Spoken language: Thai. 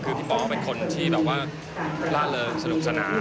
คือพี่ป๋อเขาเป็นคนที่แบบว่าล่าเริงสนุกสนาน